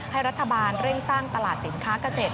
ให้รัฐบาลเร่งสร้างตลาดสินค้าเกษตร